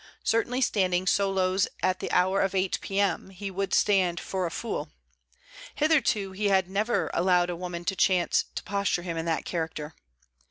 Certainly standing solos at the hour of eight P.M., he would stand for a fool. Hitherto he had never allowed a woman to chance to posture him in that character.